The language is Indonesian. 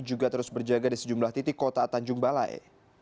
juga terus berjaga di sejumlah titik kota tanjung balai